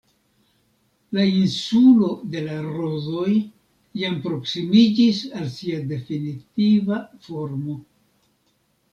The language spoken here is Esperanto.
La Insulo de la Rozoj jam proksimiĝis al sia definitiva formo.